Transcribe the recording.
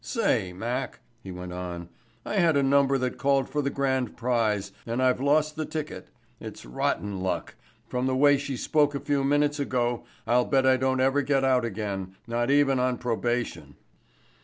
"Say, Mac," he went on, "I had a number that called for the grand prize, and I've lost the ticket. It's rotten luck. From the way she spoke a few minutes ago I'll bet I don't ever get out again, not even on probation."